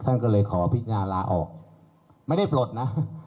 ท่านก็เลยขอพิจารณาลาออกไม่ได้ปลดนะ